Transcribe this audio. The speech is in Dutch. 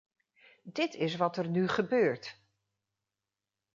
Dit is wat er nu gebeurt.